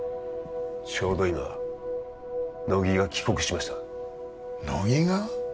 ちょうど今乃木が帰国しました乃木が？